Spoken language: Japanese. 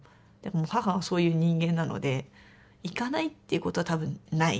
母はそういう人間なので行かないっていうことは多分ない。